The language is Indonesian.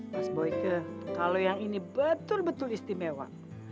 mas boyke kalau yang ini betul betul istimewa